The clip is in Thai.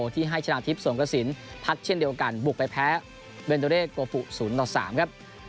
ที่ให้ชนะทิพย์สงกระสินพักเช่นเดียวกันบุกไปแพ้เบนโดเร่โกฟู๐ต่อ๓ครับ